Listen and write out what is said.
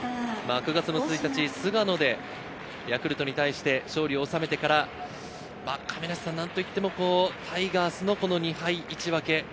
９月の１日、菅野でヤクルトに対して勝利を収めてから、何といってもタイガースの２敗１分け。